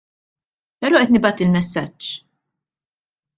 Però qed nibgħat il-messaġġ.